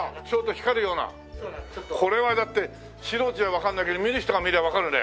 これはだって素人じゃわかんないけど見る人が見りゃわかるね。